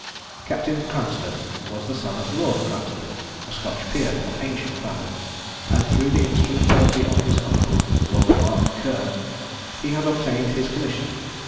Captain Cranstoun was the son of Lord Cranstoun, a Scotch peer of ancient family, and through the instrumentality of his uncle, Lord Mark Ker, he had obtained his commission.